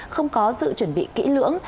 không có sự chuẩn bị kỹ lưỡng